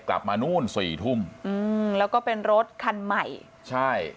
กลับมานู่นสี่ทุ่มอืมแล้วก็เป็นรถคันใหม่ใช่